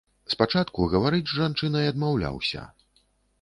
Спачатку гаварыць з жанчынай адмаўляўся.